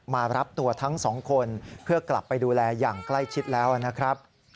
มารับตัวทั้งสองคนเพื่อกลับไปดูแลอย่างใกล้ชิดแล้วนะครับ